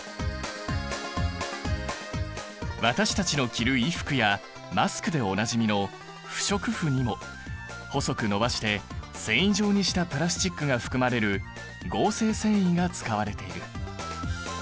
私たちの着る衣服やマスクでおなじみの不織布にも細く伸ばして繊維状にしたプラスチックが含まれる合成繊維が使われている。